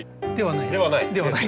ではない？